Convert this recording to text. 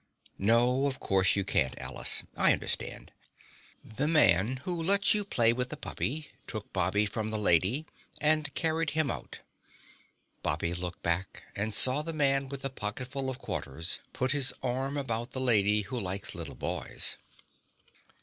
"No, of course, you can't, Alice, I understand." The Man Who Lets You Play with the Puppy took Bobby from the Lady and carried him out. Bobby looked back and saw the Man with the Pocketful of Quarters put his arm about the Lady Who Likes Little Boys.